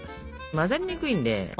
混ざりにくいんで。